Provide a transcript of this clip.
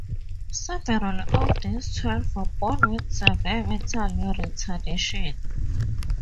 Several of these twelve were born with severe mental retardation.